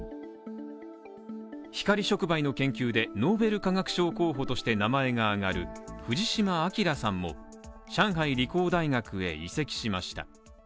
光触媒の研究でノーベル化学賞候補として名前が挙がる藤嶋昭さんも上海理工大学へ移籍しました。